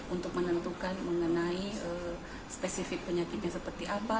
untuk menentukan mengenai spesifik penyakitnya seperti apa